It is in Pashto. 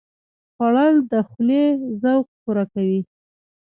خوړل د خولې ذوق پوره کوي